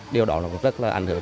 điều đó cũng rất là ảnh hưởng